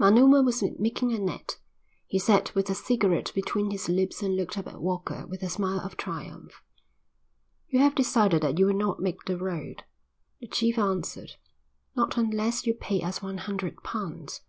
Manuma was making a net. He sat with a cigarette between his lips and looked up at Walker with a smile of triumph. "You have decided that you will not make the road?" The chief answered. "Not unless you pay us one hundred pounds."